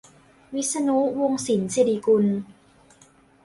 วิษณุ วงศ์สินศิริกุล